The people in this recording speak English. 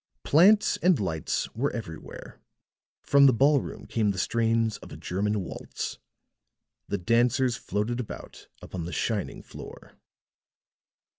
Plants and lights were everywhere; from the ballroom came the strains of a German waltz; the dancers floated about upon the shining floor.